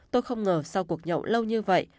tôi không ngờ sau cuộc nhậu lâu như vậy